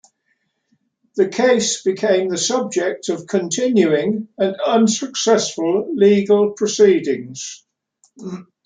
The case became the subject of continuing and unsuccessful legal proceedings.